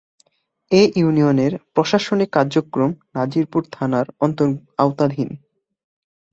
এ ইউনিয়নের প্রশাসনিক কার্যক্রম নাজিরপুর থানার আওতাধীন।